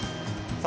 さあ